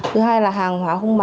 thứ hai là hàng hóa không bán